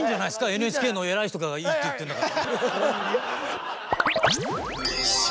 ＮＨＫの偉い人がいいって言ってんだから。